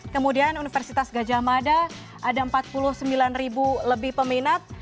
kemudian universitas gajah mada ada empat puluh sembilan ribu lebih peminat